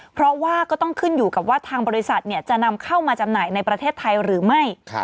เพราะว่าก็ต้องขึ้นอยู่กับว่าทางบริษัทจะนำเข้ามาจำหน่ายในประเทศไทยหรือไม่